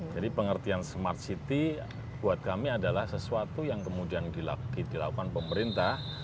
jadi pengertian smart city buat kami adalah sesuatu yang kemudian dilakukan pemerintah